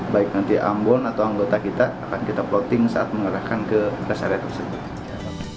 baik nanti ambon atau anggota kita akan kita plotting saat mengarahkan ke rest area tersebut